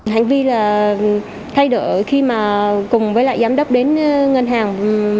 hành vi là thay đổi khi mà cùng với lại giám đốc đến ngân hàng